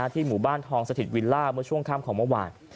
ที่หมู่บ้านทองสถิตวิลล่าเมื่อช่วงค่ำของเมื่อวาน